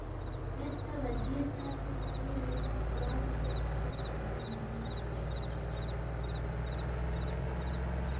میدپا وزیر تنگسے فقیری دُعا بیاسے سکیسفی بُو اِن دیُو